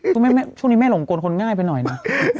ทำไมเหรอน่ะอ๋อช่วงนี้แม่โหลงกลคนง่ายไปหน่อยนะ